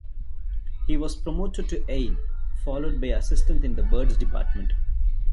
He was promoted to Aid, followed by Assistant in the birds department.